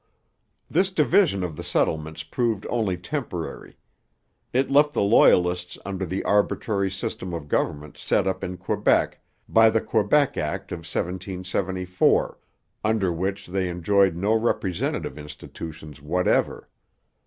This division of the settlements proved only temporary. It left the Loyalists under the arbitrary system of government set up in Quebec by the Quebec Act of 1774, under which they enjoyed no representative institutions whatever.